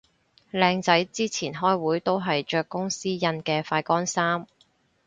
靚仔之前開會都係着公司印嘅快乾衫